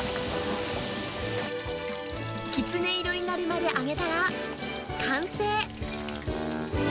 きつね色になるまで揚げたら、完成。